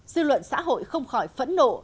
dư luận xã hội không khỏi phẫn nộ